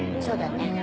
そうだね。